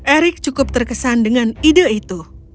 erick cukup terkesan dengan ide itu